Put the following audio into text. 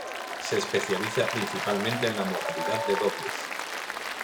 Se especializa principalmente en la modalidad de dobles.